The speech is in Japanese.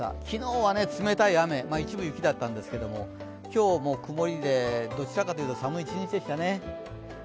昨日は冷たい雨、一部雪だったんですけど、今日も曇りで、どちらかというと寒い一日でしたね。